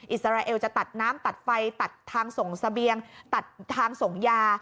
อิสราเอลจะตัดน้ำตัดไฟตัดทางส่งเสบียงตัดทางส่งยา